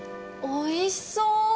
おいしそう！